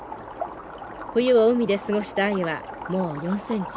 冬を海で過ごしたアユはもう４センチ。